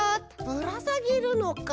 ぶらさげるのか。